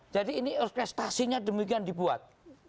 jadi ini prestasinya demikian dibuat